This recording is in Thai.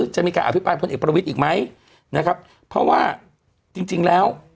จะมีการอภิปรายพลเอกประวิทย์อีกไหมนะครับเพราะว่าจริงจริงแล้ว